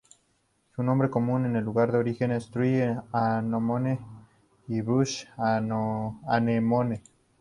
Su nombre común en el lugar de origen es Tree-anemone y Bush-anemone.